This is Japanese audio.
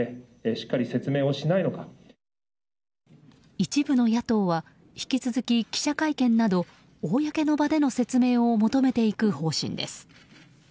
一部の野党は引き続き、記者会見など公の場での説明を求めていく方針です。